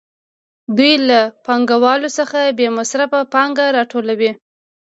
دوی له پانګوالو څخه بې مصرفه پانګه راټولوي